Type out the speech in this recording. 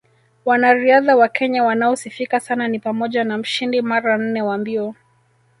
Wanariadha wa Kenya wanaosifika sana ni pamoja na mshindi mara nne wa mbio